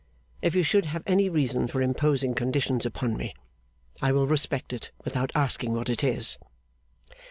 If you should have any reason for imposing conditions upon me, I will respect it without asking what it is.